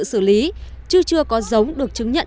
xử lý chứ chưa có giống được chứng nhận